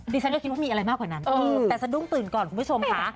ดิฉันก็คิดว่ามีอะไรมากกว่านั้นแต่สะดุ้งตื่นก่อนคุณผู้ชมค่ะ